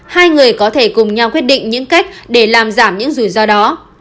hai người có thể cùng nhau quyết định những cách để làm giảm những rủi ro đó